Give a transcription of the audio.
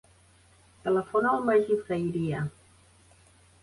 Telefona al Magí Freiria.